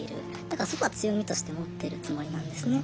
だからそこは強みとして持ってるつもりなんですね。